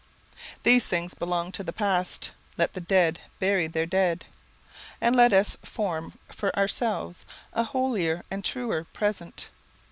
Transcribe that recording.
These things belong to the past: "Let the dead bury their dead," and let us form for ourselves a holier and truer present.